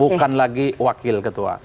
bukan lagi wakil ketua